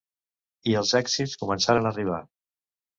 I els èxits començaren a arribar.